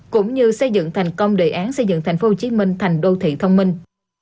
cũng như xây dựng thành công đề án xây dựng tp hcm thành đô thị thông minh